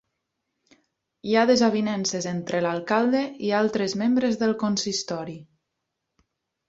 Hi ha desavinences entre l'alcalde i altres membres del consistori.